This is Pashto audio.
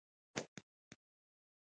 ګومارونکو پرېښودل بهتره وي.